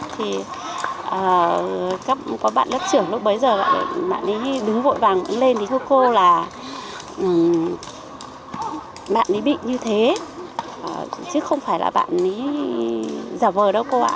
thì các bạn đất trưởng lúc bấy giờ bạn ấy đứng vội vàng cũng lên thì cô là bạn ấy bị như thế chứ không phải là bạn ấy giả vờ đâu cô ạ